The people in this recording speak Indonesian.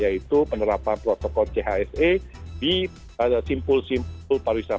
yaitu penerapan protokol chse di simpul simpul pariwisata